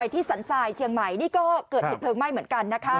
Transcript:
ที่สรรจายเชียงใหม่ก็เกิดเพลิงแม่นเหมือนกัน